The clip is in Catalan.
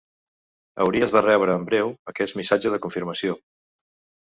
Hauries de rebre en breu aquest missatge de confirmació.